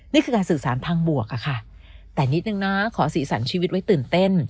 นี่คือการสื่อสารทางบวกอะค่ะแต่นิดนึงนะขอสีสันชีวิตไว้ตื่นเต้น